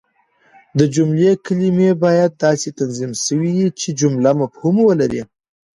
د جملې کلیمې باید داسي تنظیم سوي يي، چي جمله مفهوم ولري.